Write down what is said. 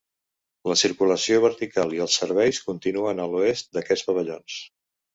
La circulació vertical i els serveis continuen a l'oest d'aquests pavellons.